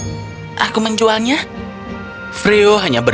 freo hanya bermimpi menjual kreasinya tetapi dia tidak mencoba